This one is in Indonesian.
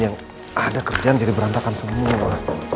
yang ada kerjaan jadi berantakan semua